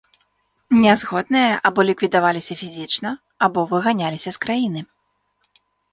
Нязгодныя або ліквідаваліся фізічна, або выганяліся з краіны.